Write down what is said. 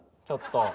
ちょっと。